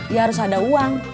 ya harus ada uang